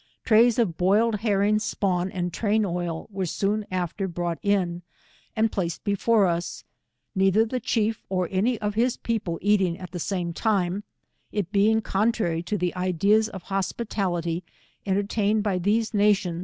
Trays of boiled herring spawn and train oil were soon after brought in and placed before as, neither the chief or any of his people eating at the same time, it being contrary to the ideas of hospitality enter tained by these nation?